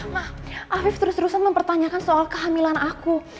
nah afif terus terusan mempertanyakan soal kehamilan aku